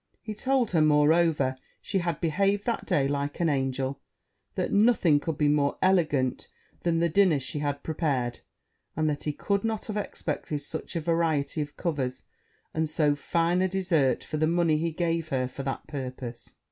He told her, moreover, she had behaved like an angel that nothing could be more elegant than the dinner she had prepared and that he could not have expected such a variety of covers, and so fine a dessert, for the money he gave her for that purpose.